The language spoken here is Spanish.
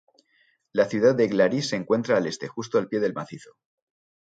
La ciudad de Glaris se encuentra al este, justo al pie del macizo.